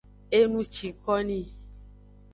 Enucikoni.